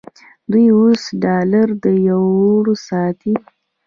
دوی اوس ډالر او یورو ساتي.